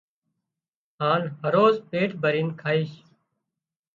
هانَ هروز پيٽ ڀرينَ کائيش